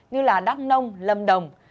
như là đắk nông lâm đồng